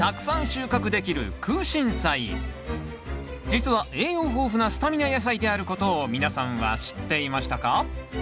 実は栄養豊富なスタミナ野菜であることを皆さんは知っていましたか？